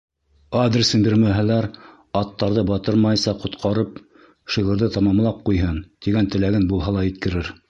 Адресын бирмәһәләр, аттарҙы батырмайса, ҡотҡарып, шиғырҙы тамамлап ҡуйһын, тигән теләген булһа ла еткерер.